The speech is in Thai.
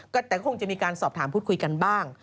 แต่ก็คงจะมีการสอบถามพูดคุยกันบ้าง